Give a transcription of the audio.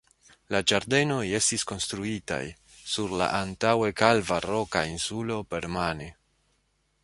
La ĝardenoj estis konstruitaj sur la antaŭe kalva roka insulo permane.